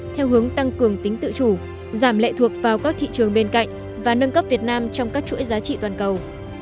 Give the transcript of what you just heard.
theo hướng tăng cường tính tự chủ giảm lệ thuộc vào các thị trường bên cạnh và nâng cấp việt nam trong các chuỗi giá trị toàn cầu